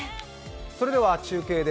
それでは中継です。